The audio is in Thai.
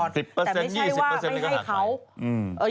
แต่ไม่ใช่ว่าให้ให้เขา